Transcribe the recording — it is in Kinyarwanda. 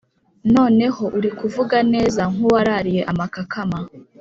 Noneho uri kuvuga neza nkuwa rariye ama kakama